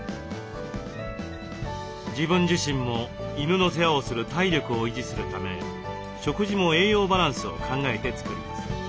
自分自身も犬の世話をする体力を維持するため食事も栄養バランスを考えて作ります。